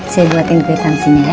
saya buat ink statement nya ya